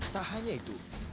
tak hanya itu